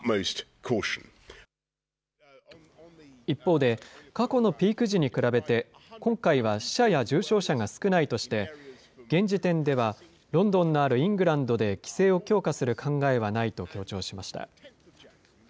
一方で、過去のピーク時に比べて、今回は死者や重症者が少ないとして、現時点ではロンドンのあるイングランドで規制を強化する考えはないと強調しました。